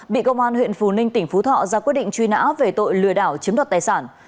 bị công an huyện phù ninh tỉnh phú thọ ra quyết định truy nã về tội lừa đảo chiếm đoạt tài sản